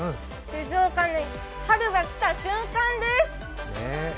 静岡に春が来た瞬間です。